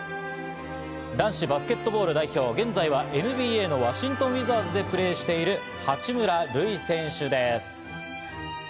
男子バスケットボール代表、現在はＮＢＡのワシントン・ウィザーズでプレーしている八村塁選手です。